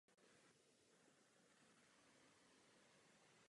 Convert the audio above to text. Poblíž vrcholu se nachází pomník partyzánské brigády Mistr Jan Hus.